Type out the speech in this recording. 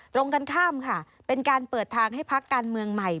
ตรงกันข้ามค่ะเป็นการเปิดทางให้พักการเมืองใหม่